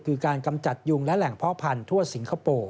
คือการกำจัดยุงและแหล่งเพาะพันธุ์ทั่วสิงคโปร์